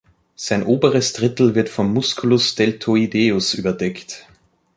Sein oberes Drittel wird vom Musculus deltoideus überdeckt.